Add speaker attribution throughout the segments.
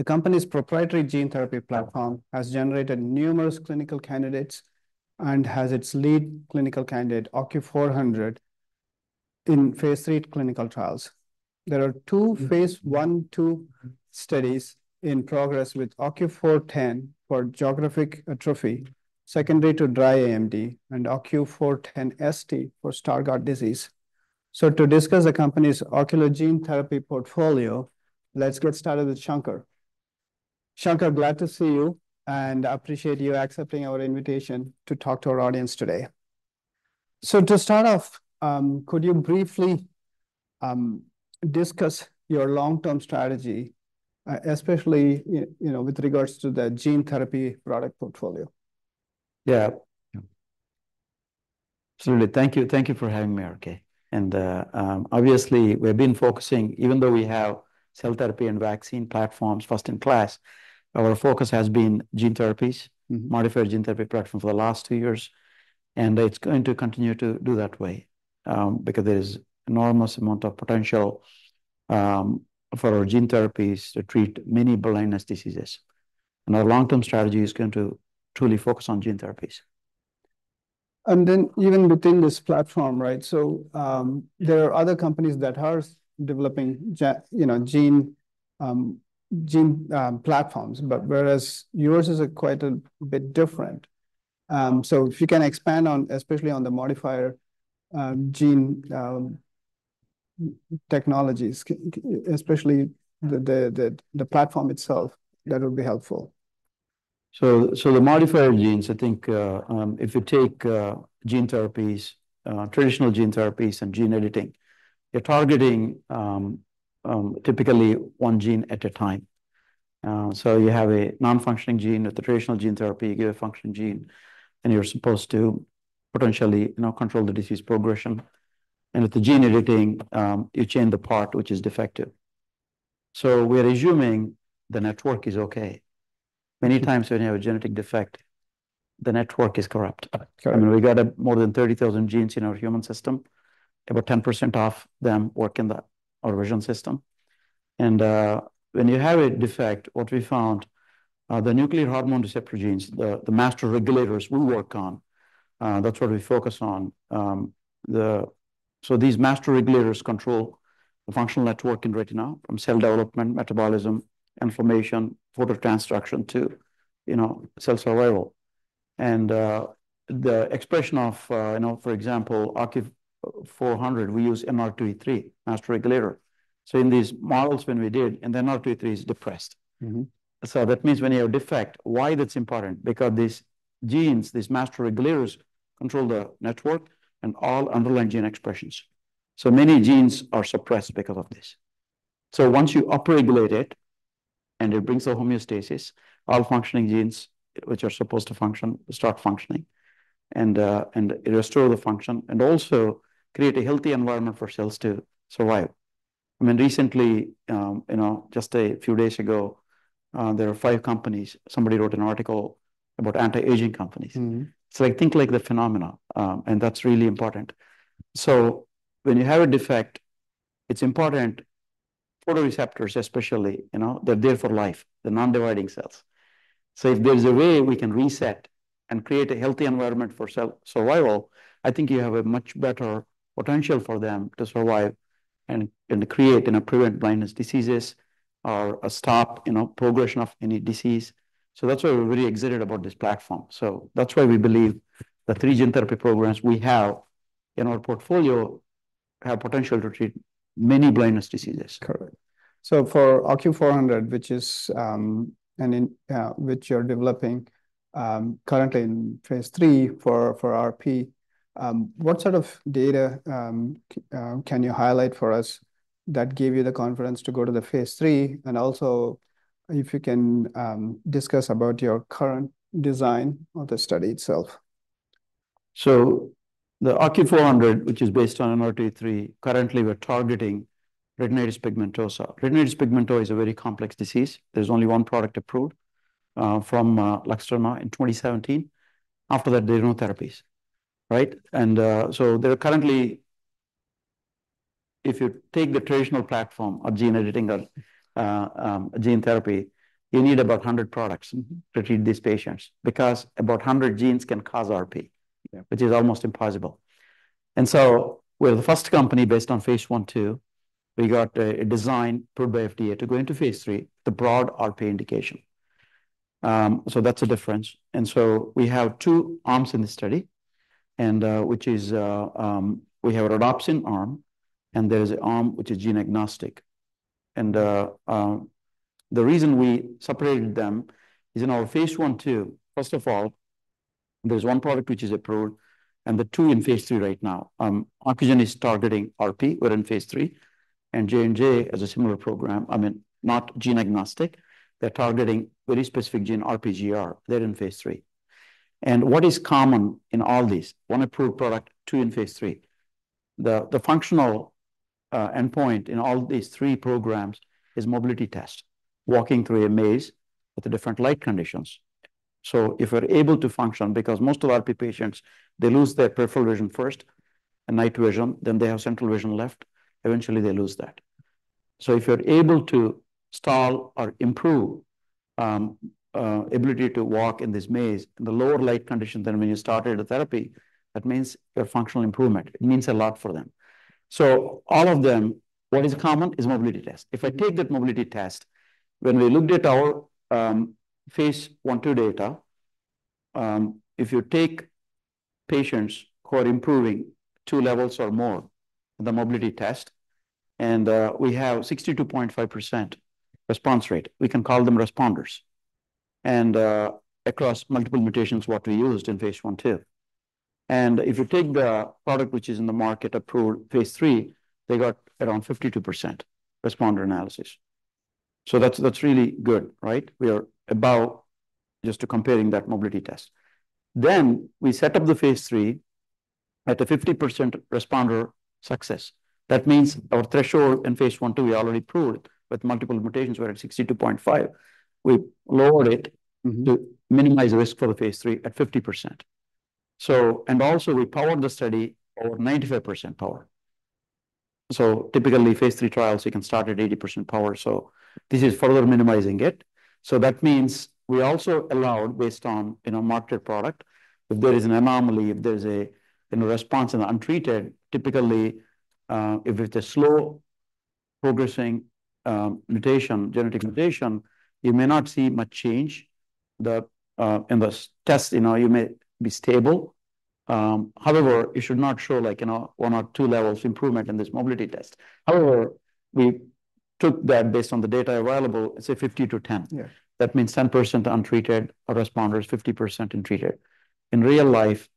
Speaker 1: The company's proprietary gene therapy platform has generated numerous clinical candidates and has its lead clinical candidate, OCU400, in phase III clinical trials. There are two phase I/II studies in progress with OCU410 for geographic atrophy, secondary to dry AMD, and OCU410ST for Stargardt disease. So to discuss the company's ocular gene therapy portfolio, let's get started with Shankar. Shankar, glad to see you, and I appreciate you accepting our invitation to talk to our audience today. So to start off, could you briefly discuss your long-term strategy, especially, you know, with regards to the gene therapy product portfolio?
Speaker 2: Yeah. Absolutely. Thank you. Thank you for having me, RK. And, obviously, we've been focusing, even though we have cell therapy and vaccine platforms first in class, our focus has been gene therapies.
Speaker 1: Mm-hmm.
Speaker 2: - modifier gene therapy platform for the last two years, and it's going to continue to do that way, because there's enormous amount of potential, for our gene therapies to treat many blindness diseases. And our long-term strategy is going to truly focus on gene therapies.
Speaker 1: And then even within this platform, right, so there are other companies that are developing gene platforms, but whereas yours is quite a bit different. So if you can expand on, especially on the modifier gene technologies, especially the platform itself, that would be helpful.
Speaker 2: The modifier genes, I think, if you take gene therapies, traditional gene therapies and gene editing, you're targeting typically one gene at a time, so you have a non-functioning gene. With the traditional gene therapy, you get a functioning gene, and you're supposed to potentially, you know, control the disease progression, and with the gene editing, you change the part which is defective, so we're assuming the network is okay. Many times when you have a genetic defect, the network is corrupt.
Speaker 1: Correct.
Speaker 2: I mean, we got more than thirty thousand genes in our human system. About 10% of them work in our vision system. And when you have a defect, what we found, the nuclear hormone receptor genes, the master regulators we work on, that's what we focus on. So these master regulators control the functional network in retina, from cell development, metabolism, inflammation, phototransduction to, you know, cell survival. And the expression of, you know, for example, OCU400, we use NR2E3, master regulator. So in these models, when we did, and the NR2E3 is depressed.
Speaker 1: Mm-hmm.
Speaker 2: So that means when you have a defect, why that's important? Because these genes, these master regulators, control the network and all underlying gene expressions. So many genes are suppressed because of this. So once you upregulate it, and it brings the homeostasis, all functioning genes which are supposed to function, start functioning, and it restore the function, and also create a healthy environment for cells to survive. I mean, recently, you know, just a few days ago, there were five companies, somebody wrote an article about anti-aging companies.
Speaker 1: Mm-hmm.
Speaker 2: So I think like the phenomena, and that's really important. So when you have a defect, it's important, photoreceptors especially, you know, they're there for life, the non-dividing cells. So if there's a way we can reset and create a healthy environment for cell survival, I think you have a much better potential for them to survive and create and prevent blindness diseases or stop, you know, progression of any disease. So that's why we're very excited about this platform. So that's why we believe the three gene therapy programs we have in our portfolio have potential to treat many blindness diseases.
Speaker 1: Correct, so for OCU400, which you're developing, currently in phase III for RP, what sort of data can you highlight for us that gave you the confidence to go to the phase III, and also, if you can, discuss about your current design of the study itself.
Speaker 2: So the OCU400, which is based on NR2E3, currently we're targeting retinitis pigmentosa. Retinitis pigmentosa is a very complex disease. There's only one product approved, from Luxturna in 2017. After that, there are no therapies, right? And so there are currently. If you take the traditional platform of gene editing or gene therapy, you need about a hundred products-
Speaker 1: Mm-hmm.
Speaker 2: to treat these patients, because about a hundred genes can cause RP.
Speaker 1: Yeah...
Speaker 2: which is almost impossible. And so we're the first company based on phase I/II. We got a design approved by FDA to go into phase III, the broad RP indication. So that's the difference. And so we have two arms in the study, we have a rhodopsin arm, and there's an arm which is gene agnostic. And the reason we separated them is in our phase I/II, first of all, there's one product which is approved, and the two in phase III right now. Ocugen is targeting RP. We're in phase III. And J&J has a similar program, I mean, not gene agnostic. They're targeting very specific gene, RPGR. They're in phase III. And what is common in all these? One approved product, two in phase III. The functional endpoint in all these three programs is mobility test, walking through a maze with the different light conditions. So if you're able to function, because most of RP patients, they lose their peripheral vision first, and night vision, then they have central vision left. Eventually, they lose that. So if you're able to stall or improve ability to walk in this maze in the lower light condition than when you started the therapy, that means a functional improvement. It means a lot for them. So all of them, what is common is mobility test. If I take that mobility test, when we looked at our phase one, two data, if you take patients who are improving two levels or more in the mobility test, and we have 62.5% response rate, we can call them responders. Across multiple mutations, what we used in phase I/II. And if you take the product, which is in the market, approved phase III, they got around 52% responder analysis. So that's, that's really good, right? We are about just to comparing that mobility test. Then we set up the phase III at a 50% responder success. That means our threshold in phase I/II, we already proved with multiple mutations were at 62.5%. We lowered it to minimize risk for the phase III at 50%. So. And also, we powered the study over 95% power. So typically, phase III trials, you can start at 80% power, so this is further minimizing it. So that means we also allowed, based on, you know, market product, if there is an anomaly, if there's, you know, response in untreated, typically, if it's a slow progressing mutation, genetic mutation, you may not see much change. Then in the test, you know, you may be stable. However, you should not show, like, you know, one or two levels improvement in this mobility test. However, we took that based on the data available, let's say 50 to 10.
Speaker 1: Yeah.
Speaker 2: That means 10% untreated, our responder is 50% untreated. In real life,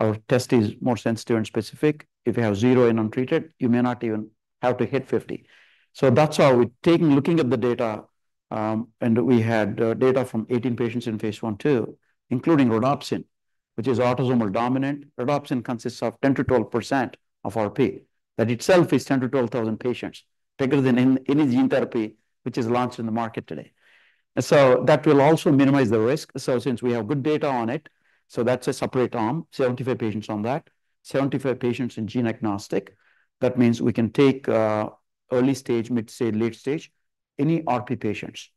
Speaker 2: our test is more sensitive and specific. If you have zero in untreated, you may not even have to hit fifty. That's why we're looking at the data, and we had data from 18 patients in phase I/II, including Rhodopsin, which is autosomal dominant. Rhodopsin consists of 10-12% of RP. That itself is 10,000-12,000 patients, bigger than any gene therapy which is launched in the market today. So that will also minimize the risk. So since we have good data on it, that's a separate arm, 75 patients on that, 75 patients in gene agnostic. That means we can take early stage, mid stage, late stage, any RP patients,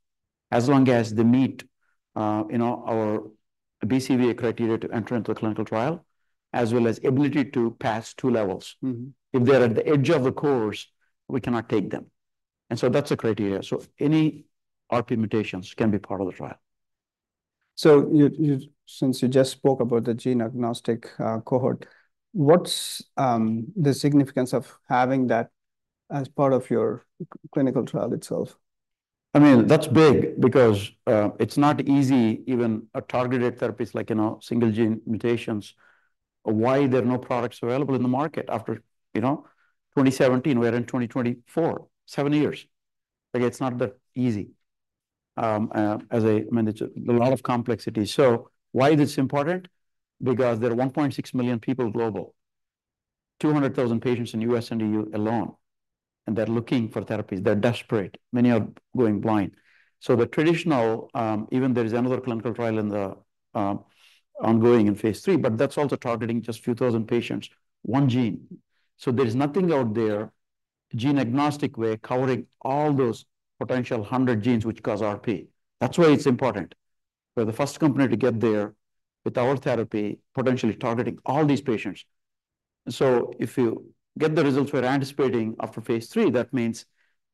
Speaker 2: as long as they meet you know, our BCVA criteria to enter into a clinical trial, as well as ability to pass two levels.
Speaker 1: Mm-hmm.
Speaker 2: If they're at the edge of the core, we cannot take them. And so that's the criteria. So any RP mutations can be part of the trial.
Speaker 1: So you, since you just spoke about the gene agnostic cohort, what's the significance of having that as part of your clinical trial itself?
Speaker 2: I mean, that's big because, it's not easy, even a targeted therapy, like, you know, single gene mutations, why there are no products available in the market after, you know, 2017, we're in 2024, seven years. Like, it's not that easy. I mean, it's a lot of complexity. So why this is important? Because there are 1.6 million people global, 200,000 patients in U.S. and EU alone, and they're looking for therapies. They're desperate. Many are going blind. So the traditional, even there is another clinical trial in the, ongoing in phase III, but that's also targeting just a few thousand patients, one gene. So there is nothing out there, gene agnostic way, covering all those potential 100 genes which cause RP. That's why it's important. We're the first company to get there with our therapy, potentially targeting all these patients. So if you get the results we're anticipating after phase III, that means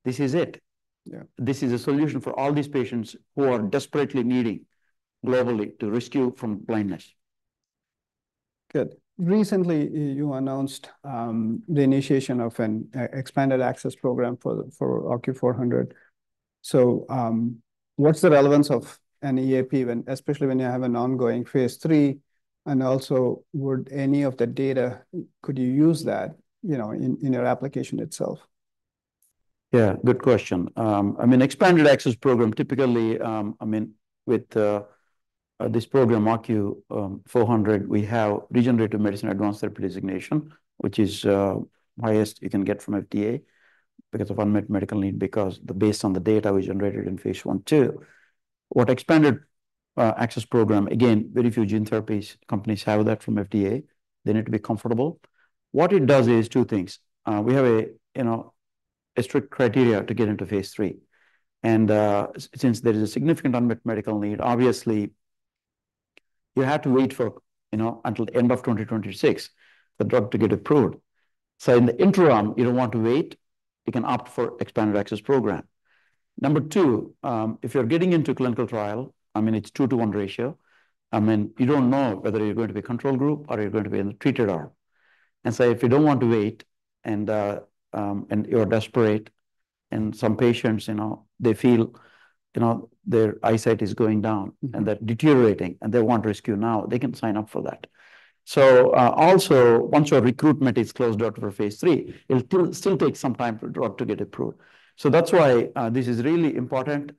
Speaker 2: this is it.
Speaker 1: Yeah.
Speaker 2: This is a solution for all these patients who are desperately needing globally to rescue from blindness.
Speaker 1: Good. Recently, you announced the initiation of an expanded access program for OCU400. So, what's the relevance of an EAP, when, especially when you have an ongoing phase three, and also, would any of the data, could you use that, you know, in your application itself?
Speaker 2: Yeah, good question. I mean, expanded access program, typically, I mean, with this program, OCU400, we have Regenerative Medicine Advanced Therapy Designation, which is highest you can get from FDA because of unmet medical need, because the based on the data we generated in phase I/II. What expanded access program, again, very few gene therapy companies have that from FDA. They need to be comfortable. What it does is two things: we have a, you know, a strict criteria to get into phase III, and, since there is a significant unmet medical need, obviously, you have to wait for, you know, until the end of 2026, the drug to get approved. So in the interim, you don't want to wait, you can opt for expanded access program. Number two, if you're getting into clinical trial, I mean, it's two to one ratio. I mean, you don't know whether you're going to be control group or you're going to be in the treated arm. And so if you don't want to wait, and you're desperate, and some patients, you know, they feel, you know, their eyesight is going down.
Speaker 1: Mm-hmm.
Speaker 2: And they're deteriorating, and they want rescue now, they can sign up for that. So, also, once your recruitment is closed out for phase III, it'll still take some time for drug to get approved. So that's why this is really important,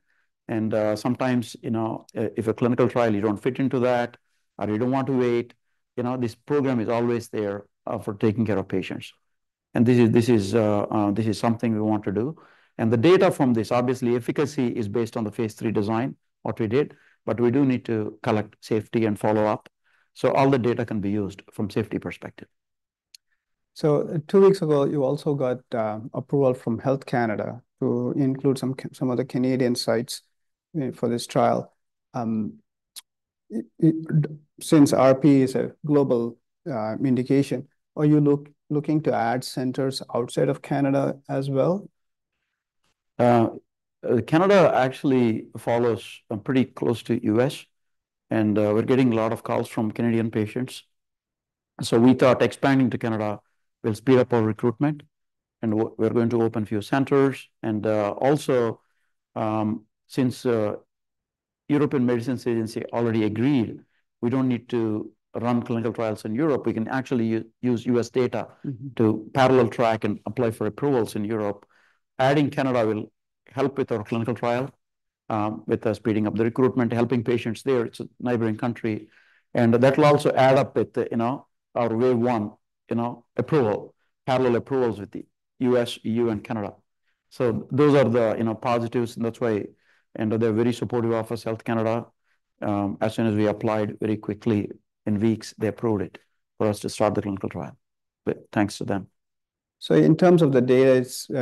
Speaker 2: and sometimes, you know, if a clinical trial, you don't fit into that, or you don't want to wait, you know, this program is always there for taking care of patients... and this is something we want to do. And the data from this, obviously, efficacy is based on the phase III design, what we did, but we do need to collect safety and follow-up, so all the data can be used from safety perspective.
Speaker 1: So two weeks ago, you also got approval from Health Canada to include some of the Canadian sites for this trial. Since RP is a global indication, are you looking to add centers outside of Canada as well?
Speaker 2: Canada actually follows pretty close to U.S., and we're getting a lot of calls from Canadian patients. So we thought expanding to Canada will speed up our recruitment, and we're going to open a few centers. Also, since European Medicines Agency already agreed, we don't need to run clinical trials in Europe, we can actually use U.S. data-
Speaker 1: Mm-hmm...
Speaker 2: to parallel track and apply for approvals in Europe. Adding Canada will help with our clinical trial, with the speeding up the recruitment, helping patients there. It's a neighboring country, and that will also add up with, you know, our Wave I, you know, approval, parallel approvals with the U.S., EU, and Canada. So those are the, you know, positives, and that's why... and they're very supportive of us, Health Canada. As soon as we applied, very quickly, in weeks, they approved it for us to start the clinical trial, but thanks to them.
Speaker 1: In terms of the data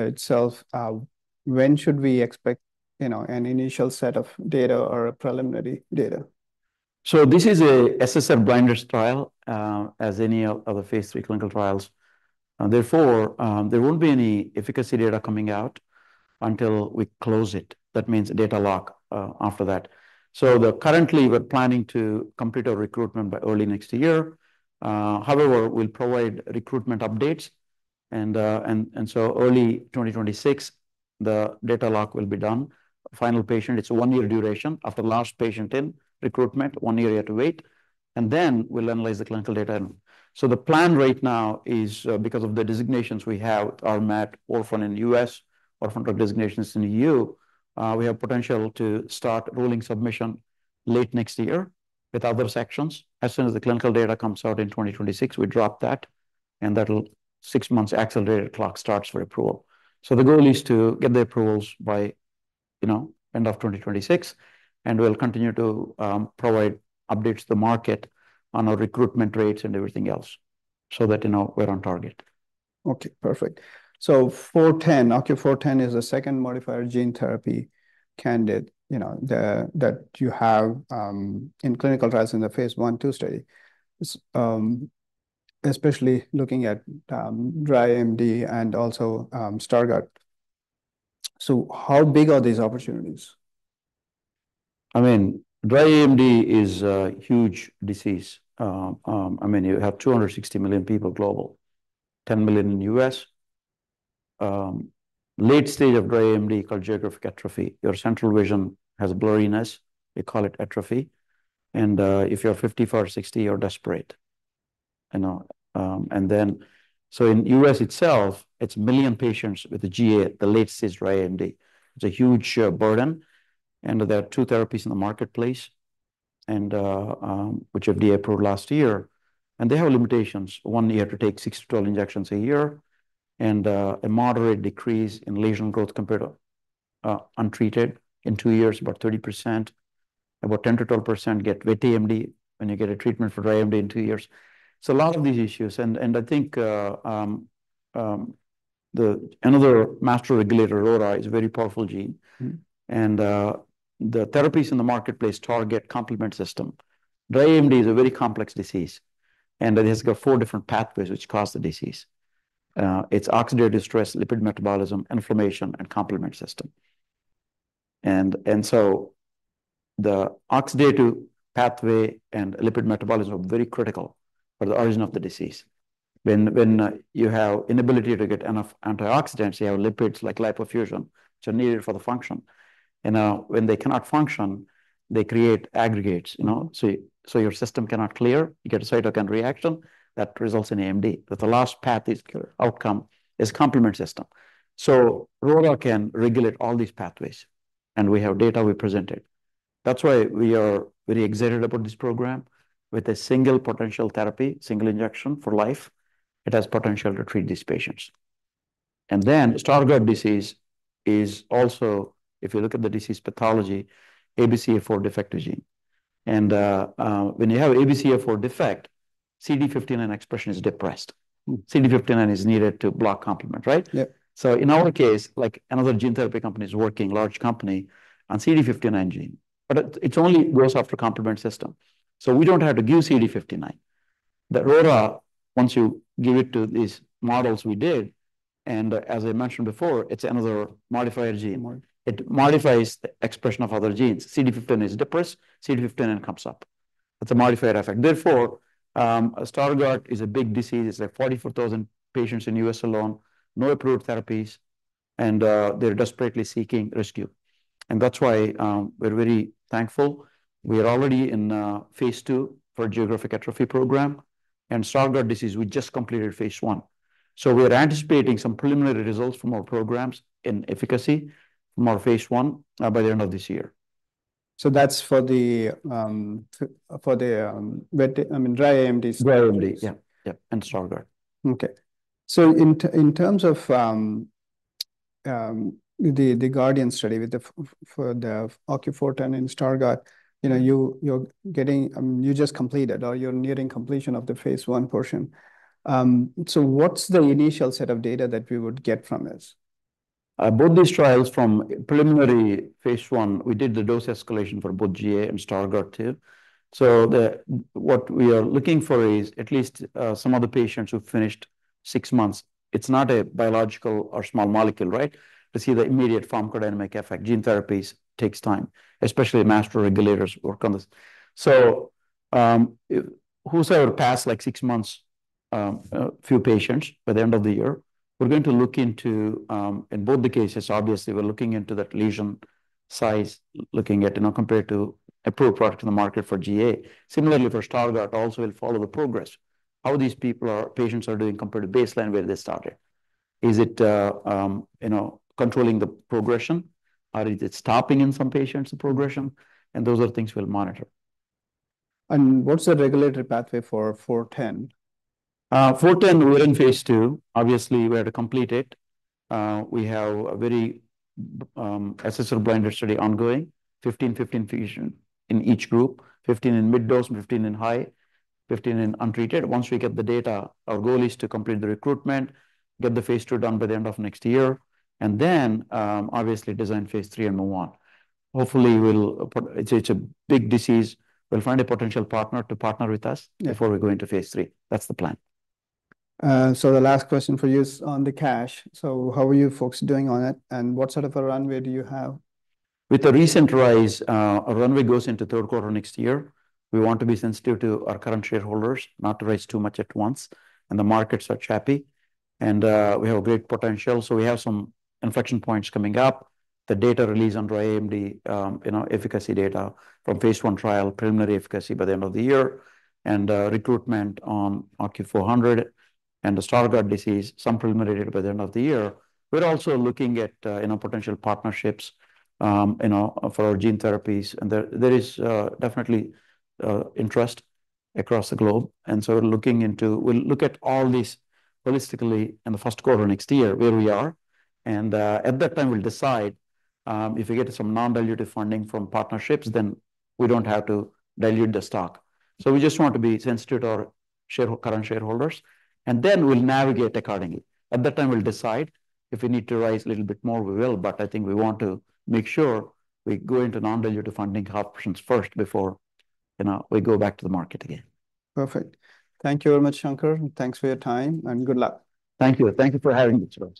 Speaker 1: itself, when should we expect, you know, an initial set of data or a preliminary data?
Speaker 2: So this is a double-blind trial, as in any of the phase III clinical trials, and therefore, there won't be any efficacy data coming out until we close it. That means a data lock, after that. So currently, we're planning to complete our recruitment by early next year. However, we'll provide recruitment updates, and so early 2026, the data lock will be done. Final patient, it's a one-year duration. After last patient in recruitment, one year you have to wait, and then we'll analyze the clinical data. So the plan right now is, because of the designations we have, our RMAT orphan in U.S., orphan drug designations in EU, we have potential to start rolling submission late next year with other sections. As soon as the clinical data comes out in 2026, we drop that, and that'll, six months accelerated clock starts for approval. So the goal is to get the approvals by, you know, end of 2026, and we'll continue to provide updates to the market on our recruitment rates and everything else so that, you know, we're on target.
Speaker 1: Okay, perfect. So 410, OCU 410, is a second modifier gene therapy candidate, you know, the that you have in clinical trials in the phase I, II study. So, especially looking at dry AMD and also Stargardt. So how big are these opportunities?
Speaker 2: I mean, dry AMD is a huge disease. I mean, you have 260 million people globally, 10 million in U.S. Late stage of dry AMD, called geographic atrophy, your central vision has a blurriness. They call it atrophy, and if you're 50 or 60, you're desperate, you know. In U.S. itself, it's one million patients with the GA, the late stage dry AMD. It's a huge burden, and there are two therapies in the marketplace, which were FDA approved last year, and they have limitations. One, you have to take 6-12 injections a year, and a moderate decrease in lesion growth compared to untreated. In two years, about 30%, about 10%-12% get wet AMD when you get a treatment for dry AMD in two years. So a lot of these issues, and I think, another master regulator, RORA, is a very powerful gene.
Speaker 1: Mm-hmm.
Speaker 2: The therapies in the marketplace target complement system. Dry AMD is a very complex disease, and it has got four different pathways which cause the disease. It's oxidative stress, lipid metabolism, inflammation, and complement system. And so the oxidative pathway and lipid metabolism are very critical for the origin of the disease. When you have inability to get enough antioxidants, you have lipids like lipofuscin, which are needed for the function. And when they cannot function, they create aggregates, you know, so your system cannot clear. You get a cytokine reaction that results in AMD. But the last path is outcome, is complement system. So RORA can regulate all these pathways, and we have data we presented. That's why we are very excited about this program. With a single potential therapy, single injection for life, it has potential to treat these patients. And then Stargardt disease is also, if you look at the disease pathology, ABCA4 defective gene. And when you have ABCA4 defect, CD59 expression is depressed.
Speaker 1: Mm.
Speaker 2: CD59 is needed to block complement, right?
Speaker 1: Yeah.
Speaker 2: So in our case, like another gene therapy company is working, large company, on CD59 gene, but it only goes after complement system. So we don't have to give CD59. The RORA, once you give it to these models we did, and as I mentioned before, it's another modifier gene.
Speaker 1: Mm.
Speaker 2: It modifies the expression of other genes. CD59 is depressed, CD59 comes up. It's a modifier effect. Therefore, Stargardt is a big disease. It's, like, 44,000 patients in U.S. alone, no approved therapies, and, they're desperately seeking rescue. And that's why, we're very thankful. We are already in, phase II for geographic atrophy program, and Stargardt disease, we just completed phase I. So we are anticipating some preliminary results from our programs in efficacy from our phase I, by the end of this year. ...
Speaker 1: So that's for the wet, I mean, dry AMD.
Speaker 2: Dry AMD, yeah, yeah, and Stargardt.
Speaker 1: Okay. So in terms of the GARDian study for the OCU410 in Stargardt, you know, you just completed or you're nearing completion of the phase one portion. What's the initial set of data that we would get from this?
Speaker 2: Both these trials from preliminary phase one, we did the dose escalation for both GA and Stargardt, too. So, what we are looking for is at least some of the patients who finished six months. It's not a biological or small molecule, right? To see the immediate pharmacodynamic effect. Gene therapies takes time, especially master regulators work on this. So, whoever's passed, like, six months, few patients by the end of the year, we're going to look into. In both the cases, obviously, we're looking into the lesion size, looking at, you know, compared to approved product in the market for GA. Similarly, for Stargardt, also we'll follow the progress. How these patients are doing compared to baseline where they started. Is it, you know, controlling the progression, or is it stopping in some patients, the progression? Those are things we'll monitor.
Speaker 1: What's the regulatory pathway for OCU410?
Speaker 2: Four ten, we're in phase II. Obviously, we had to complete it. We have a very essential blinded study ongoing, 15 patients in each group, 15 in mid dose, 15 in high, 15 in untreated. Once we get the data, our goal is to complete the recruitment, get the phase two done by the end of next year, and then obviously design phase III and move on. Hopefully, we'll put. It's a big disease. We'll find a potential partner to partner with us.
Speaker 1: Yeah.
Speaker 2: Before we go into phase III. That's the plan.
Speaker 1: So the last question for you is on the cash. So how are you folks doing on it, and what sort of a runway do you have?
Speaker 2: With the recent rise, our runway goes into third quarter next year. We want to be sensitive to our current shareholders, not to raise too much at once, and the markets are choppy, and we have a great potential. So we have some inflection points coming up. The data release on Dry AMD, you know, efficacy data from phase I trial, preliminary efficacy by the end of the year, and recruitment on OCU400 and the Stargardt disease, some preliminary data by the end of the year. We're also looking at, you know, potential partnerships, you know, for our gene therapies, and there is definitely interest across the globe. And so we're looking into. We'll look at all these holistically in the first quarter next year, where we are, and at that time, we'll decide if we get some non-dilutive funding from partnerships, then we don't have to dilute the stock, so we just want to be sensitive to our current shareholders, and then we'll navigate accordingly. At that time, we'll decide if we need to raise a little bit more, we will, but I think we want to make sure we go into non-dilutive funding options first before, you know, we go back to the market again.
Speaker 1: Perfect. Thank you very much, Shankar, and thanks for your time, and good luck.
Speaker 2: Thank you. Thank you for having me, sir.